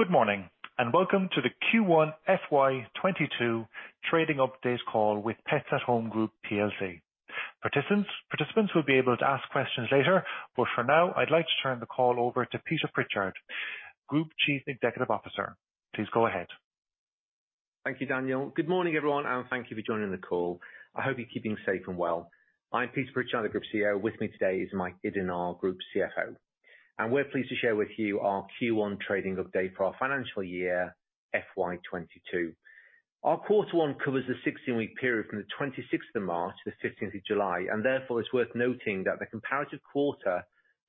Good morning, and welcome to the Q1 FY 2022 Trading Update Call with Pets at Home Group Plc. Participants will be able to ask questions later, but for now, I'd like to turn the call over to Peter Pritchard, Group Chief Executive Officer. Please go ahead. Thank you, Daniel. Good morning, everyone, thank you for joining the call. I hope you're keeping safe and well. I'm Peter Pritchard, the Group CEO. With me today is Mike Iddon, our Group CFO. We're pleased to share with you our Q1 trading update for our financial year FY 2022. Our quarter one covers the 16-week period from the 26th of March to the 15th of July, therefore, it's worth noting that the comparative quarter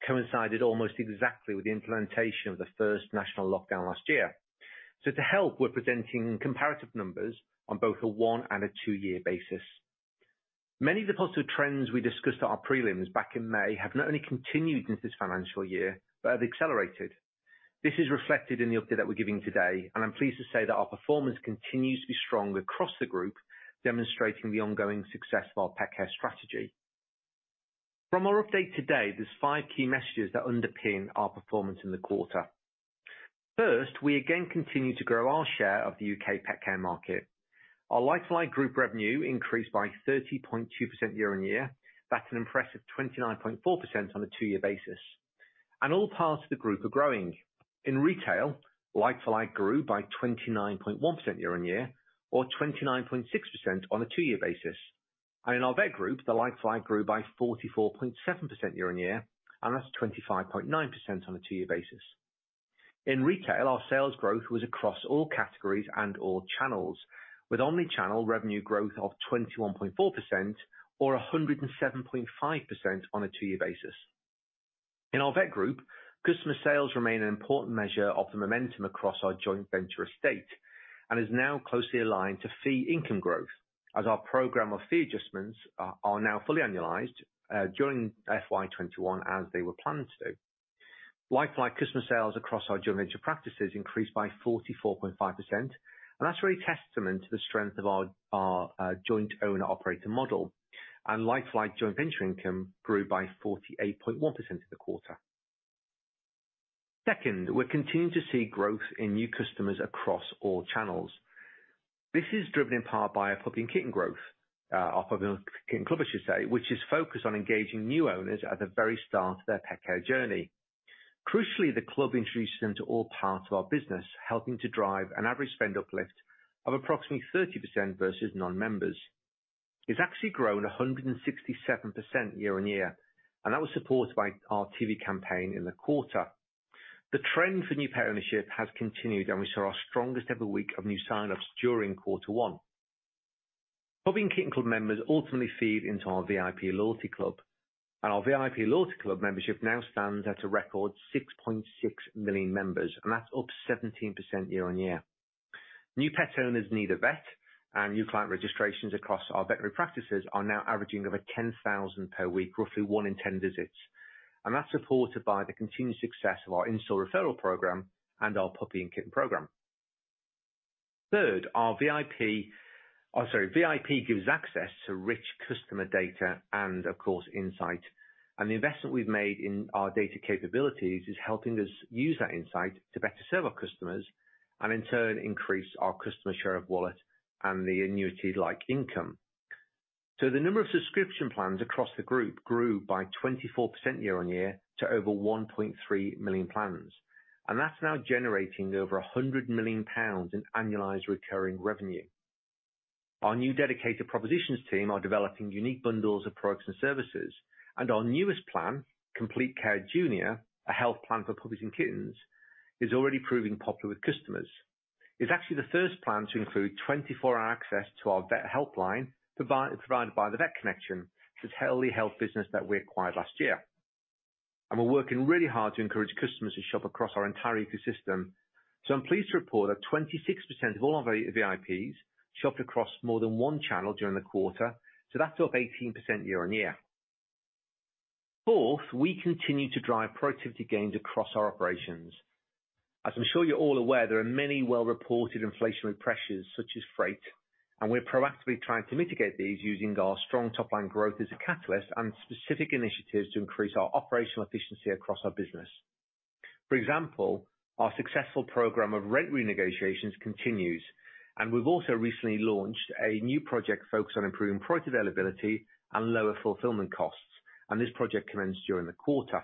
coincided almost exactly with the implementation of the first national lockdown last year. To help, we're presenting comparative numbers on both a one and a two-year basis. Many of the positive trends we discussed at our prelims back in May have not only continued into this financial year but have accelerated. This is reflected in the update that we're giving today. I'm pleased to say that our performance continues to be strong across the group, demonstrating the ongoing success of our pet care strategy. From our update today, there's five key messages that underpin our performance in the quarter. First, we again continue to grow our share of the U.K. pet care market. Our like-for-like group revenue increased by 30.2% year-on-year. That's an impressive 29.4% on a two-year basis. All parts of the group are growing. In retail, like-for-like grew by 29.1% year-on-year or 29.6% on a two-year basis. In our vet group, the like-for-like grew by 44.7% year-on-year, and that's 25.9% on a two-year basis. In retail, our sales growth was across all categories and all channels, with omnichannel revenue growth of 21.4% or 107.5% on a two-year basis. In our vet group, customer sales remain an important measure of the momentum across our joint venture estate and is now closely aligned to fee income growth as our program of fee adjustments are now fully annualized during FY 2021 as they were planned to. Like-for-like customer sales across our joint venture practices increased by 44.5%. That's really testament to the strength of our joint owner operator model. Like-for-like joint venture income grew by 48.1% in the quarter. Second, we're continuing to see growth in new customers across all channels. This is driven in part by our puppy and kitten growth, our Puppy & Kitten Club, I should say, which is focused on engaging new owners at the very start of their pet care journey. Crucially, the club introduces them to all parts of our business, helping to drive an average spend uplift of approximately 30% versus non-members. It's actually grown 167% year-on-year. That was supported by our TV campaign in the quarter. The trend for new pet ownership has continued. We saw our strongest ever week of new sign-ups during quarter one. Puppy & Kitten Club members ultimately feed into our VIP loyalty club. Our VIP loyalty club membership now stands at a record 6.6 million members. That's up 17% year-on-year. New pet owners need a vet. New client registrations across our veterinary practices are now averaging over 10,000 per week, roughly one in 10 visits. That's supported by the continued success of our in-store referral program and our puppy and kitten program. Third, our VIP gives access to rich customer data and of course insight. The investment we've made in our data capabilities is helping us use that insight to better serve our customers and in turn increase our customer share of wallet and the annuity-like income. The number of subscription plans across the group grew by 24% year-on-year to over 1.3 million plans. That's now generating over 100 million pounds in annualized recurring revenue. Our new dedicated propositions team are developing unique bundles of products and services, and our newest plan, Complete Care Junior, a health plan for puppies and kittens, is already proving popular with customers. It's actually the first plan to include 24-hour access to our vet helpline provided by The Vet Connection, this telehealth business that we acquired last year. We're working really hard to encourage customers to shop across our entire ecosystem. I'm pleased to report that 26% of all our VIPs shopped across more than one channel during the quarter, so that's up 18% year-on-year. Fourth, we continue to drive productivity gains across our operations. As I'm sure you're all aware, there are many well-reported inflationary pressures such as freight, and we're proactively trying to mitigate these using our strong top-line growth as a catalyst and specific initiatives to increase our operational efficiency across our business. For example, our successful program of rent renegotiations continues, and we've also recently launched a new project focused on improving product availability and lower fulfillment costs, and this project commenced during the quarter.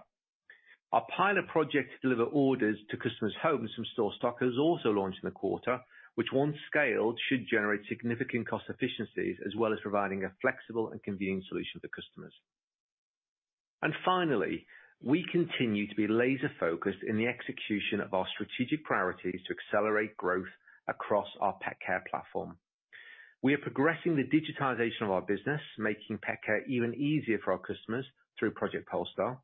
Our pilot project to deliver orders to customers' homes from store stock has also launched in the quarter, which once scaled should generate significant cost efficiencies, as well as providing a flexible and convenient solution for customers. Finally, we continue to be laser-focused in the execution of our strategic priorities to accelerate growth across our pet care platform. We are progressing the digitization of our business, making pet care even easier for our customers through Project Polestar.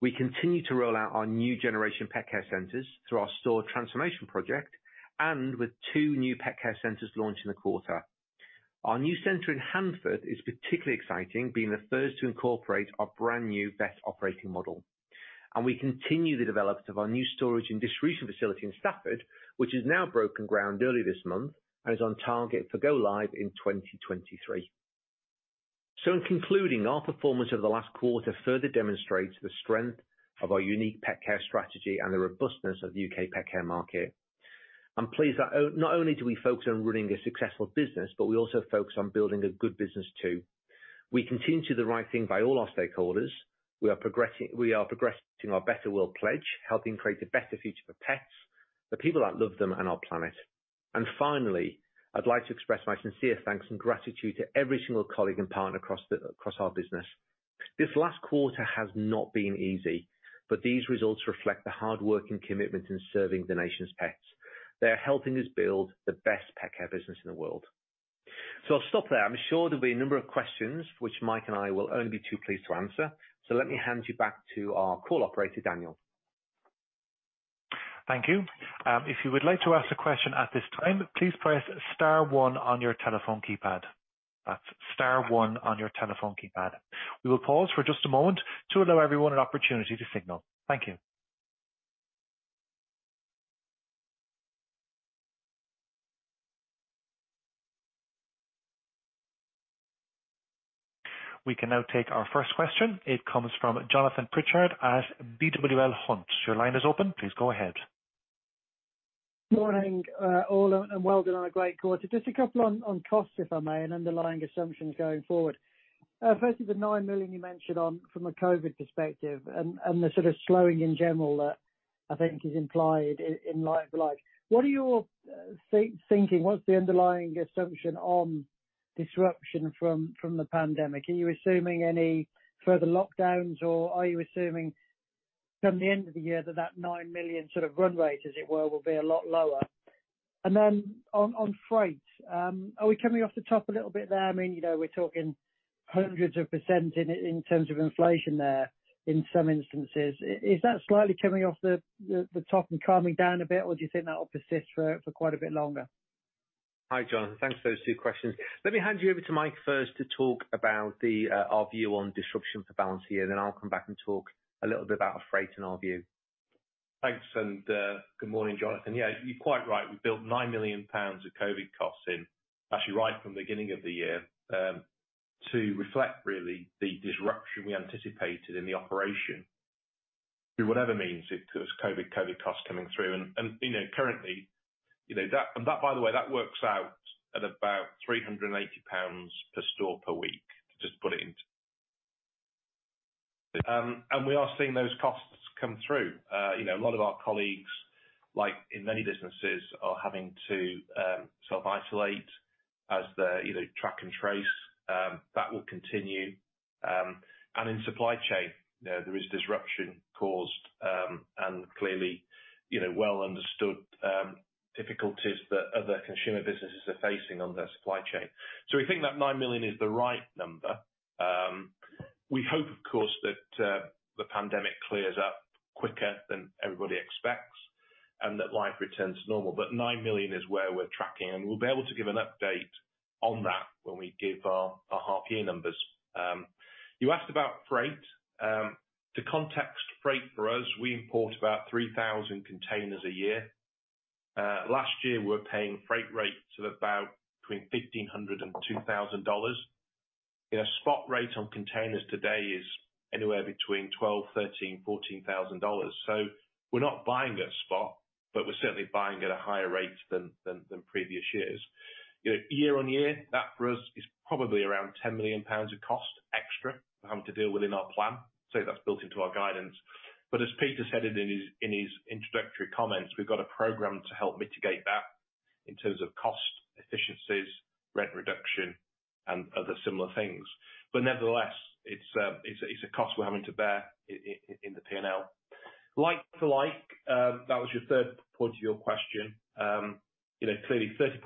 We continue to roll out our new generation pet care centers through our store transformation project and with two new pet care centers launched in the quarter. Our new center in Handforth is particularly exciting, being the first to incorporate our brand new vet operating model. We continue the development of our new storage and distribution facility in Stafford, which has now broken ground earlier this month and is on target for go live in 2023. In concluding, our performance over the last quarter further demonstrates the strength of our unique pet care strategy and the robustness of the U.K. pet care market. I'm pleased that not only do we focus on running a successful business, but we also focus on building a good business too. We continue to do the right thing by all our stakeholders. We are progressing our Better World Pledge, helping create a better future for pets, the people that love them, and our planet. I'd like to express my sincere thanks and gratitude to every single colleague and partner across our business. This last quarter has not been easy, but these results reflect the hard work and commitment in serving the nation's pets. They are helping us build the best pet care business in the world. I'll stop there. I'm sure there'll be a number of questions which Mike and I will only be too pleased to answer. Let me hand you back to our call operator, Daniel. Thank you. If you would like to ask a question at this time, pleas press star one on your telephone keypad. It is star one on your telephone keypad. We will pause for just a moment to allow everyone an opportunity to signal. Thank you. We can now take our first question. It comes from Jonathan Pritchard at Peel Hunt. Please go ahead. Morning, all, well done on a great quarter. Just a couple on costs, if I may, and underlying assumptions going forward. Firstly, the 9 million you mentioned from a COVID perspective and the sort of slowing in general that I think is implied in like-for-like, what are you all thinking? What's the underlying assumption on disruption from the pandemic? Are you assuming any further lockdowns, or are you assuming from the end of the year that that 9 million sort of run rate, as it were, will be a lot lower? On freight, are we coming off the top a little bit there? We're talking hundreds of percent in terms of inflation there in some instances. Is that slightly coming off the top and calming down a bit, or do you think that'll persist for quite a bit longer? Hi, Jonathan. Thanks for those two questions. Let me hand you over to Mike first to talk about our view on disruption for balance here, then I'll come back and talk a little bit about freight and our view. Thanks, good morning, Jonathan. Yeah, you're quite right. We built 9 million pounds of COVID costs in, actually right from the beginning of the year, to reflect really the disruption we anticipated in the operation through whatever means it was COVID costs coming through. That, by the way, that works out at about 380 pounds per store per week. We are seeing those costs come through. A lot of our colleagues, like in many businesses, are having to self-isolate as they either track and trace, that will continue. In supply chain, there is disruption caused, and clearly, well understood difficulties that other consumer businesses are facing on their supply chain. We think that 9 million is the right number. We hope, of course, that the pandemic clears up quicker than everybody expects and that life returns to normal. 9 million is where we're tracking, and we'll be able to give an update on that when we give our half year numbers. You asked about freight. To context freight for us, we import about 3,000 containers a year. Last year, we were paying freight rates of about between $1,500-$2,000. A spot rate on containers today is anywhere between $12,000-$14,000. We're not buying at spot, but we're certainly buying at a higher rate than previous years. Year-on-year, that for us is probably around 10 million pounds of cost extra we're having to deal with in our plan. That's built into our guidance. As Peter said in his introductory comments, we've got a program to help mitigate that in terms of cost efficiencies, rent reduction, and other similar things. Nevertheless, it's a cost we're having to bear in the P&L. Like-for-like, that was your third point of your question. Clearly 30.2%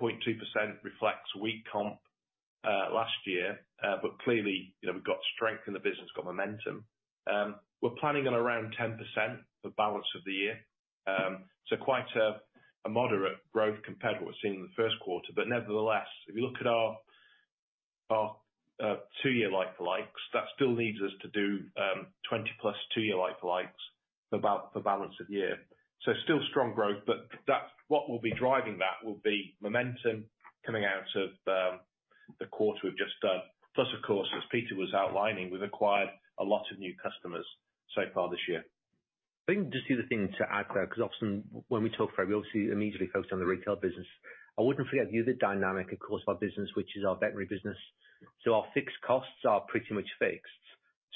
reflects weak comp last year, but clearly, we've got strength in the business, got momentum. We're planning on around 10% for balance of the year. Quite a moderate growth compared to what we've seen in the first quarter. Nevertheless, if you look at our two-year like-for-likes, that still leaves us to do 20+ two-year like-for-likes for balance of the year. Still strong growth, but what will be driving that will be momentum coming out of the quarter we've just done. Plus, of course, as Peter was outlining, we've acquired a lot of new customers so far this year. I think just the other thing to add, Claire, because often when we talk freight, we obviously immediately focus on the retail business. I wouldn't forget the other dynamic, of course, of our business, which is our veterinary business. Our fixed costs are pretty much fixed.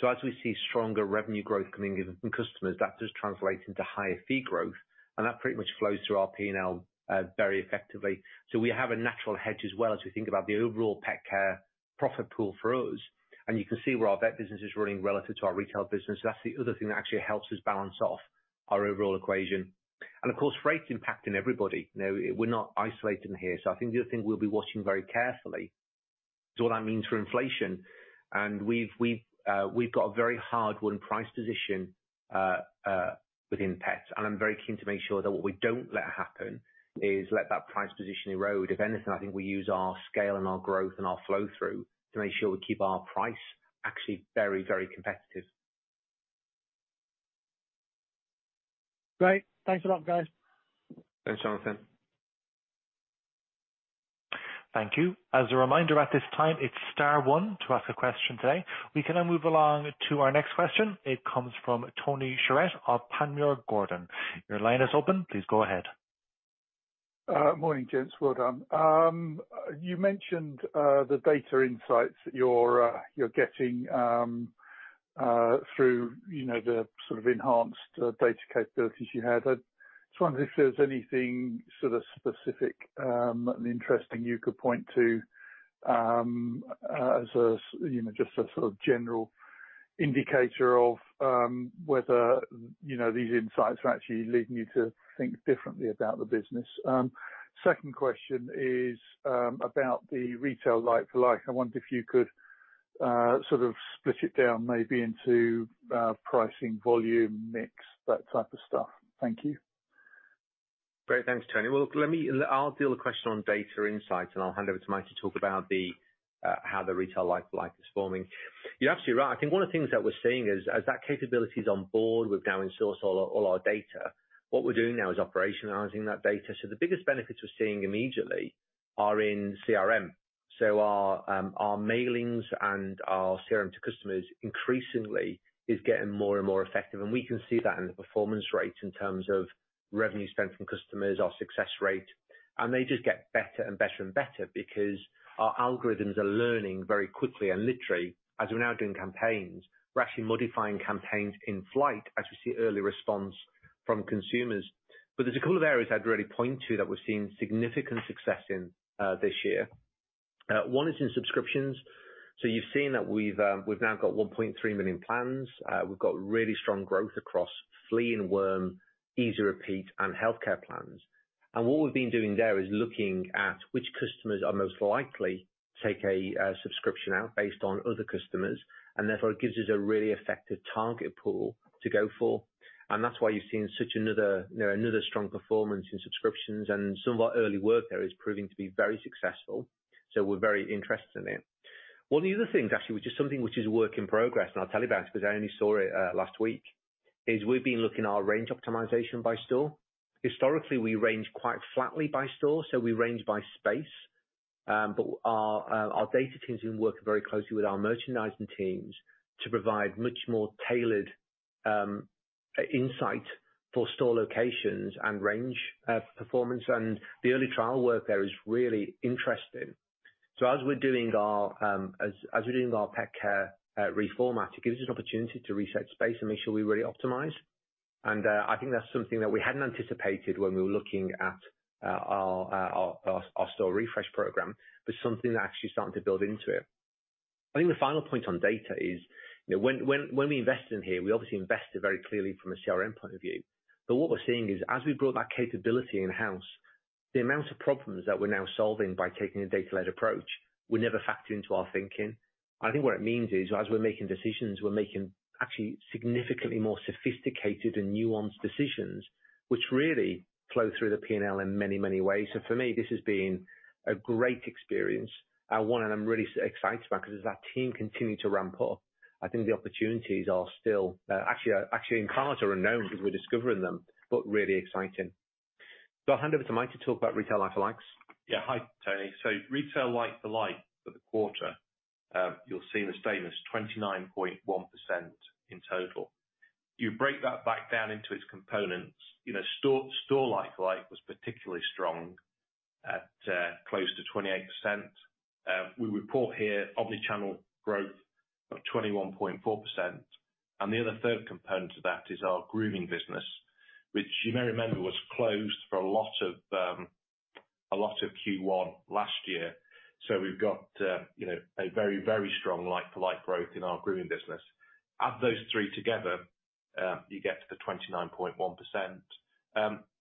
As we see stronger revenue growth coming in from customers, that just translates into higher fee growth, and that pretty much flows through our P&L very effectively. We have a natural hedge as well as we think about the overall pet care profit pool for us. You can see where our vet business is running relative to our retail business. That's the other thing that actually helps us balance off our overall equation. Of course, freight's impacting everybody. We're not isolated here. I think the other thing we'll be watching very carefully is what that means for inflation. We've got a very hard-won price position within pets, and I'm very keen to make sure that what we don't let happen is let that price position erode. If anything, I think we use our scale and our growth and our flow-through to make sure we keep our price actually very competitive. Great. Thanks a lot, guys. Thanks, Jonathan. Thank you. As a reminder at this time, it is star one to ask a question today. We can now move along to our next question. It comes from Tony Shiret of Panmure Gordon. Your line is open. Please go ahead. Morning, gents. Well done. You mentioned the data insights that you're getting through the sort of enhanced data capabilities you have. I just wonder if there's anything sort of specific and interesting you could point to as just a sort of general indicator of whether these insights are actually leading you to think differently about the business. Second question is about the retail like-for-like. I wonder if you could sort of split it down maybe into pricing, volume, mix, that type of stuff. Thank you. Thanks, Tony. I'll deal with the question on data insights, and I'll hand over to Mike to talk about how the retail like-for-like is forming. You're absolutely right. I think one of the things that we're seeing is as that capability is on board, we've now insourced all our data. What we're doing now is operationalizing that data. The biggest benefits we're seeing immediately are in CRM. Our mailings and our CRM to customers increasingly is getting more and more effective, and we can see that in the performance rates in terms of revenue spent from customers, our success rate. They just get better and better because our algorithms are learning very quickly and literally as we're now doing campaigns. We're actually modifying campaigns in flight as we see early response from consumers. There's a couple of areas I'd really point to that we're seeing significant success in this year. One is in subscriptions. You've seen that we've now got 1.3 million plans. We've got really strong growth across flea and worm, Easy Repeat, and healthcare plans. What we've been doing there is looking at which customers are most likely to take a subscription out based on other customers, and therefore, it gives us a really effective target pool to go for. That's why you've seen such another strong performance in subscriptions and some of our early work there is proving to be very successful, so we're very interested in it. One of the other things actually, which is something which is work in progress, and I'll tell you about it because I only saw it last week, is we've been looking at our range optimization by store. Historically, we range quite flatly by store, so we range by space. Our data teams have been working very closely with our merchandising teams to provide much more tailored insight for store locations and range performance, and the early trial work there is really interesting. As we're doing our pet care reformat, it gives us an opportunity to reset space and make sure we really optimize. I think that's something that we hadn't anticipated when we were looking at our store refresh program, but something that actually started to build into it. I think the final point on data is when we invested in here, we obviously invested very clearly from a CRM point of view. What we're seeing is as we brought that capability in-house, the amount of problems that we're now solving by taking a data-led approach were never factored into our thinking. I think what it means is as we're making decisions, we're making actually significantly more sophisticated and nuanced decisions, which really flow through the P&L in many ways. For me, this has been a great experience and one that I'm really excited about because as our team continue to ramp up, I think the opportunities are still actually in cards or unknown because we're discovering them, but really exciting. I'll hand over to Mike to talk about retail like-for-likes. Yeah. Hi, Tony. Retail like-for-like for the quarter, you'll see in the statement is 29.1% in total. You break that back down into its components, store like-for-like was particularly strong at close to 28%. We report here omnichannel growth of 21.4%, and the other third component to that is our grooming business, which you may remember was closed for a lot of Q1 last year. We've got a very strong like-for-like growth in our grooming business. Add those three together, you get to the 29.1%.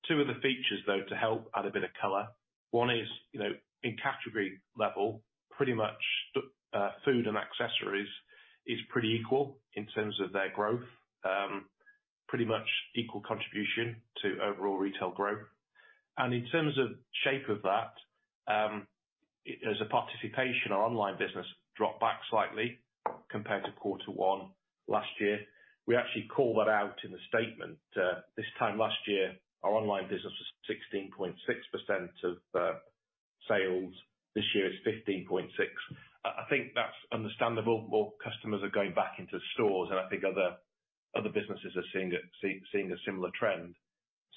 Two other features, though, to help add a bit of color. One is in category level, pretty much food and accessories is pretty equal in terms of their growth. Pretty much equal contribution to overall retail growth. In terms of shape of that, as a participation, our online business dropped back slightly compared to quarter one last year. We actually call that out in the statement. This time last year, our online business was 16.6% of sales. This year it's 15.6. I think that's understandable. More customers are going back into stores, and I think other businesses are seeing a similar trend.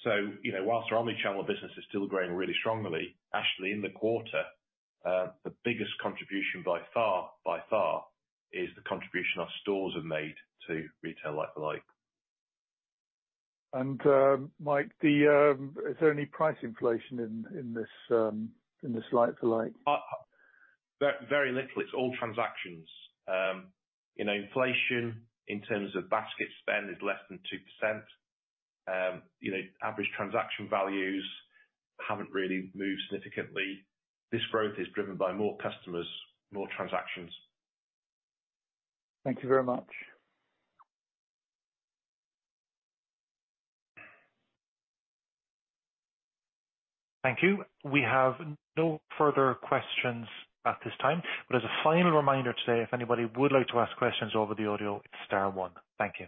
Whilst our omnichannel business is still growing really strongly, actually in the quarter, the biggest contribution by far is the contribution our stores have made to retail like-for-like. Mike, is there any price inflation in this like-for-like? Very little. It's all transactions. Inflation in terms of basket spend is less than 2%. Average transaction values haven't really moved significantly. This growth is driven by more customers, more transactions. Thank you very much. Thank you. We have no further questions at this time. As a final reminder today, if anybody would like to ask questions over the audio, it's star one. Thank you.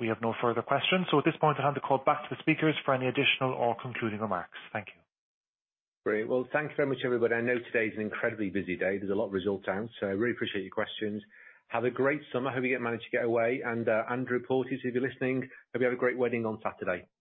We have no further questions. At this point, I'll hand the call back to the speakers for any additional or concluding remarks. Thank you. Great. Well, thank you very much, everybody. I know today is an incredibly busy day. There's a lot of results out, so I really appreciate your questions. Have a great summer. Hope you manage to get away. Andrew Porteous, if you're listening, hope you have a great wedding on Saturday. Thank you.